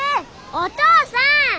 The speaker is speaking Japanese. お父さん！